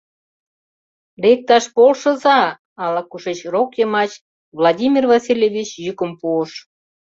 Лекташ полшыза! — ала-кушеч рок йымач Владимир Васильевич йӱкым пуыш.